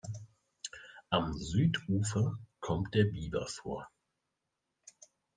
Am Südufer kommt der Biber vor.